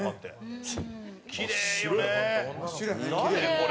これ。